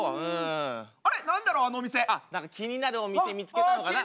何か気になるお店見つけたのかな。